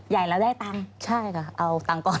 ใหญ่แล้วได้ตังค์ใช่ค่ะเอาตังค์ก่อน